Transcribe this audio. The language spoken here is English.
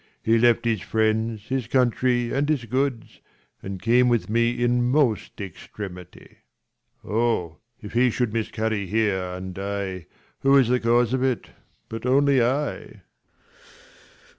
He left his friends, his country, and his goods, And came with me in most extremity. Sc. vn] HIS THREE DAUGHTERS 69 Oh, if he should miscarry here and die, Who is the cause of it, but only I